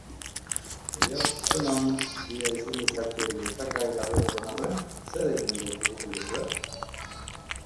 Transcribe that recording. Oihartzun handia izan dezakeen gertakari larri baten aurrean, zer egiten duzue?